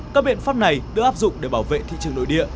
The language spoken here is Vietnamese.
các biện pháp này được áp dụng để bảo vệ thị trường nội địa